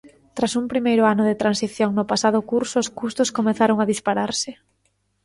Tras un primeiro ano de transición no pasado curso os custos comezaron a dispararse.